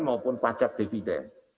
maupun pajak dividen